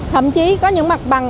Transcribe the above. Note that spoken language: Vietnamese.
thậm chí có những mặt bằng